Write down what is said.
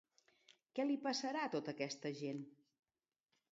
Què li passarà, a tota aquesta gent?